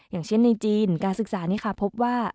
อย่างเช่นในจีนการศึกษานี้ค่ะพบว่า